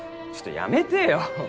ちょっとやめてよ。